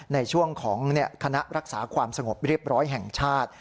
ในช่วงของคณะรักษาความสงบเรียบร้อยแห่งชาติ